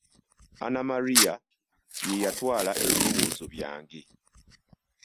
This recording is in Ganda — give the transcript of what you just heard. Anna Maria ye yatwala ebirowoozo byange.